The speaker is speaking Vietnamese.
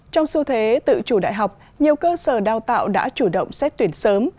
trong xu thế tự chủ đại học nhiều cơ sở đào tạo đã chủ động xét tuyển sớm